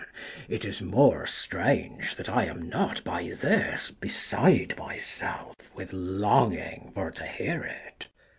It is more strange, that I am not by this Beside myself, with longing for to hear it.